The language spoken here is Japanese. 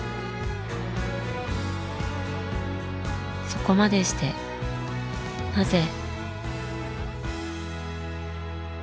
そこまでしてなぜ？